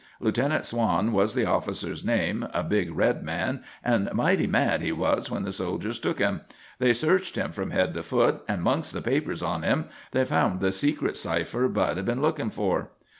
Lieutenant Swann was the officer's name, a big red man, and mighty mad he was when the soldiers took him. They searched him from head to foot, and 'mongst the papers on him they found the secret cipher Bud had been workin' for.